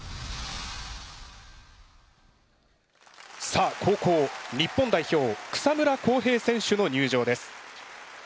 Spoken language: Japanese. さあ後攻日本代表草村航平選手の入場です。